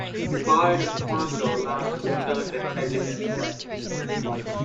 Buying a quanto allows the retailer to hedge against that risk.